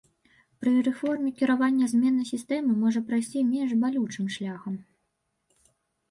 Пры рэформе кіравання змена сістэмы можа прайсці менш балючым шляхам.